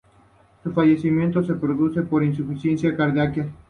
Su fallecimiento se produce por insuficiencia cardíaca.